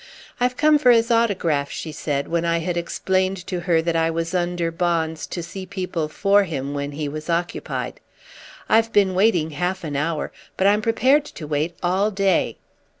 "I've come for his autograph," she said when I had explained to her that I was under bonds to see people for him when he was occupied. "I've been waiting half an hour, but I'm prepared to wait all day."